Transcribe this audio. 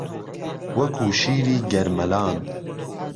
وهکو شیری گەرمەلان